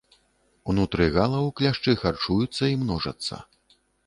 Унутры галаў кляшчы харчуюцца і множацца.